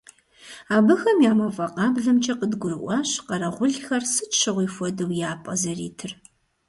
Абыхэм я мафӀэ къаблэмкӀэ къыдгурыӀуащ къэрэгъулхэр, сыт щыгъуи хуэдэу, я пӀэ зэритыр.